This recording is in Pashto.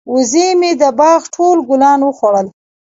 وزې مې د باغ ټول ګلان وخوړل.